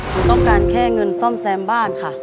หนูต้องการแค่เงินซ่อมแซมบ้านค่ะ